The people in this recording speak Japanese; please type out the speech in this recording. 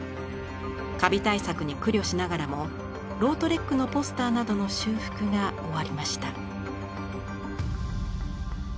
カビ対策に苦慮しながらもロートレックのポスターなどの修復が終わりました。